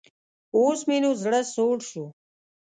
اوس مې نو زړۀ سوړ شو.